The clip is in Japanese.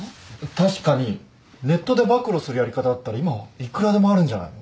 確かにネットで暴露するやり方だったら今はいくらでもあるんじゃないの？